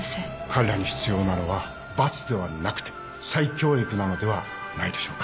彼らに必要なのは罰ではなくて再教育なのではないでしょうか？